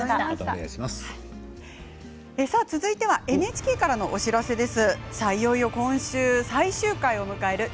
続いてはＮＨＫからのお知らせです。